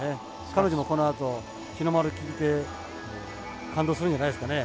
彼女も、このあと日の丸聞いて感動するんじゃないですかね。